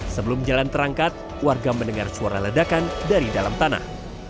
sebelum jalan terangkat warga mendengar suara ledakan dari dalam tanah